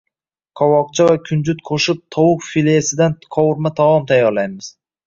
Qovoqcha va kunjut qo‘shib tovuq filesidan qovurma taom tayyorlaymiz